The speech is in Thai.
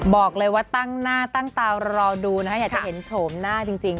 บอกเลยว่าตั้งหน้าตั้งตารอดูนะคะอยากจะเห็นโฉมหน้าจริง